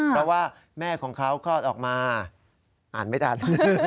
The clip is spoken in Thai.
เพราะว่าแม่ของเขาคลอดออกมาอ่านไม่ทัน